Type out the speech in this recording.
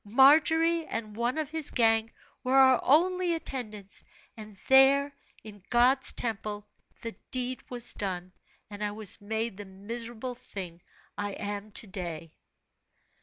Margery and one of his gang were our only attendants, and there, in God's temple, the deed was done, and I was made the miserable thing I am to day."